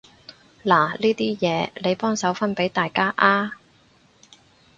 嗱呢啲嘢，你幫手分畀大家啊